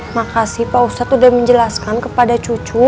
makasih pak ustadz sudah menjelaskan kepada cucu